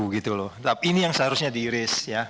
gitu loh tapi ini yang seharusnya diiris ya